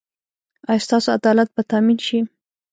ایا ستاسو عدالت به تامین شي؟